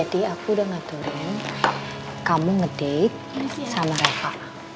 jadi aku udah ngaturin kamu ngedate sama rafa